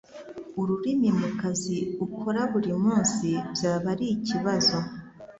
ururimi mu kazi ukora buri munsi byaba ri ikibazo